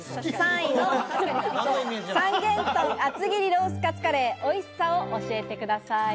３位の三元豚厚切りロースカツカレー、おいしさを教えてください。